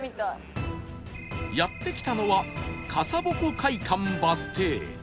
やって来たのは笠鉾会館バス停